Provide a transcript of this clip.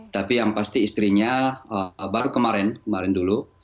tapi yang pasti istrinya baru kemarin kemarin dulu